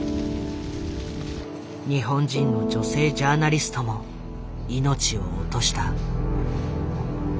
日本人の女性ジャーナリストも命を落とした。